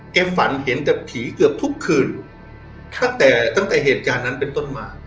ฝันเห็นแต่ผีเกือบทุกคืนตั้งแต่ตั้งแต่เหตุการณ์นั้นเป็นต้นมา